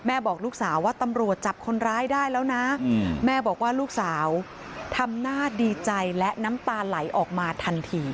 บอกลูกสาวว่าตำรวจจับคนร้ายได้แล้วนะแม่บอกว่าลูกสาวทำหน้าดีใจและน้ำตาไหลออกมาทันที